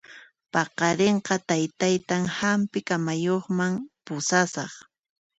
Paqarinqa taytaytan hampi kamayuqman pusasaq